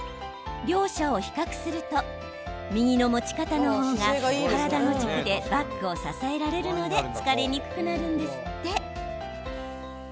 両者を比較すると右の持ち方の方が体の軸でバッグを支えられるので疲れにくくなるんですって。